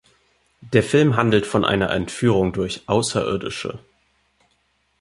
Der Film handelt von einer Entführung durch Außerirdische.